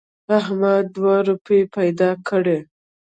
احمد دوه روپۍ پیدا کړې.